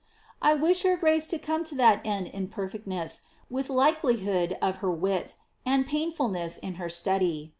I wish her Grace to come to that end in perfectness with likelyhood of her wit, and painfulness in her stady.